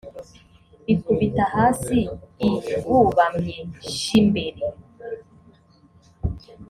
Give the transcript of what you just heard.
bikubita hasi i bubamye j imbere